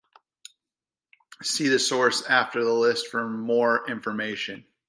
See the "source" after the list for more information.